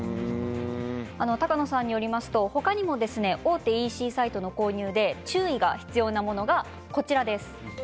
鷹野さんによりますと他にも大手ＥＣサイトの購入で注意が必要なものがこちらです。